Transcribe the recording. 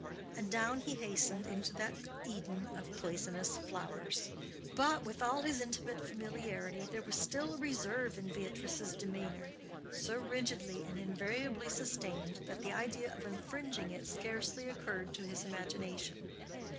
And down he hastened into that Eden of poisonous flowers. But, with all this intimate familiarity, there was still a reserve in Beatrice's demeanor, so rigidly and invariably sustained that the idea of infringing it scarcely occurred to his imagination.